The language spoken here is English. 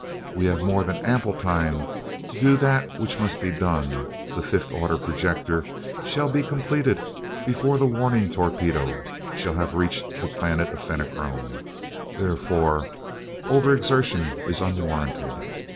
We have more than ample time to do that which must be done the fifth order projector shall be completed before the warning torpedo shall have reached the planet of the Fenachrone therefore over exertion is unwarranted.